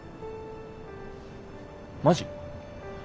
マジ？